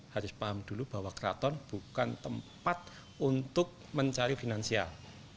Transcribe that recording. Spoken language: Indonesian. harus paham dulu bahwa keraton bukan tempat untuk mencari finansial